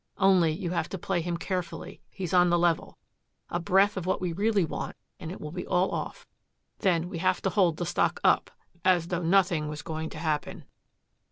Only, you have to play him carefully. He's on the level. A breath of what we really want and it will be all off." "Then we'll have to hold the stock up, as though nothing was going to happen."